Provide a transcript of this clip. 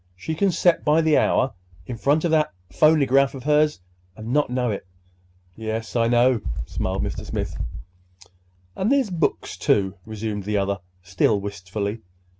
She can set by the hour in front of that phonygraph of hers, and not know it!" "Yes, I know," smiled Mr. Smith. "And there's books, too," resumed the other, still wistfully.